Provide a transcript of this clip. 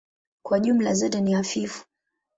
Kwa jumla zote ni hafifu.